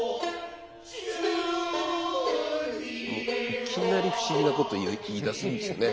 いきなり不思議なこと言いだすんですよね。